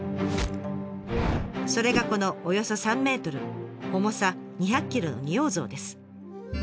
それがこのおよそ３ｍ重さ２００キロの仁王像です。